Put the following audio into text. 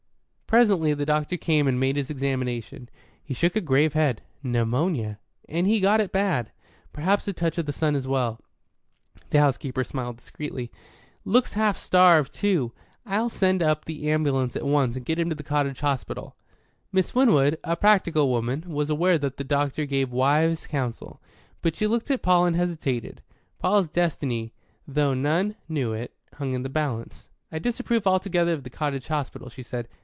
Presently the doctor came and made his examination. He shook a grave head. "Pneumonia. And he has got it bad. Perhaps a touch of the sun as well." The housekeeper smiled discreetly. "Looks half starved, too. I'll send up the ambulance at once and get him to the cottage hospital." Miss Winwood, a practical woman, was aware that the doctor gave wise counsel. But she looked at Paul and hesitated. Paul's destiny, though none knew it, hung in the balance. "I disapprove altogether of the cottage hospital," she said.